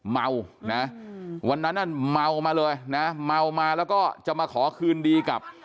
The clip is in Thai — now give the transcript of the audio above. เมานะวันนั้นเมามาเลยนะเมามาแล้วก็จะมาขอคืนดีกับ